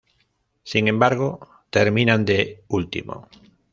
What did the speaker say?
Sin embargo, terminan de último.